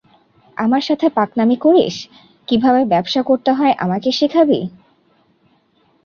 আমার সাথে পাকনামি করিস, কিভাবে ব্যবসা করতে হয় আমাকে শিখাবি?